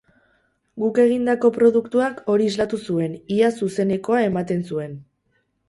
Guk egindako produktuak hori islatu zuen, ia zuzenekoa ematen zuen.